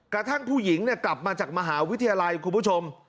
กระทั่งผู้หญิงกลับมาจากมหาวิทยาลัยคุณผู้ชม